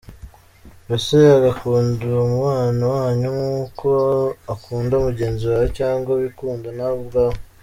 Mbese ugakunda uwo mubano wanyu nkuko ukunda mugenzi wawe cyangwa wikunda nawe ubwawe.